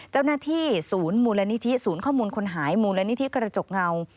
เจ้าหน้าที่ศูนย์มูลณิธิกระจกเงา